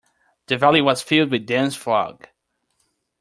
The valley was filled with dense fog.